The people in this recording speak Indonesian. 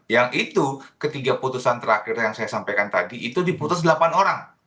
yang itu ketiga putusan terakhir yang saya sampaikan tadi itu diputus delapan orang